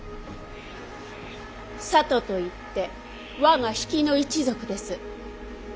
里といって我が比企の一族です。